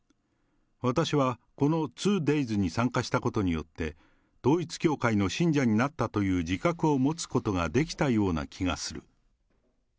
私はこのツーデイズに参加したことによって、統一教会の信者になったという自覚を持つことができたような気がする。